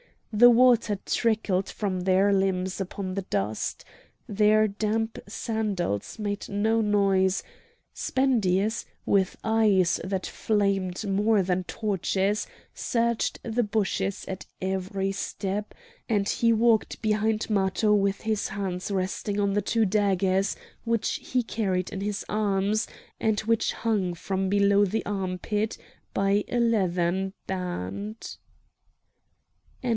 The water trickled from their limbs upon the dust. Their damp sandals made no noise; Spendius, with eyes that flamed more than torches, searched the bushes at every step;—and he walked behind Matho with his hands resting on the two daggers which he carried on his arms, and which hung from below the armpit by a leathern band.